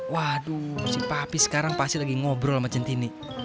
waduh si papi sekarang pasti lagi ngobrol sama centini